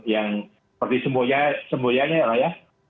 yang seperti semboyanya semboyanya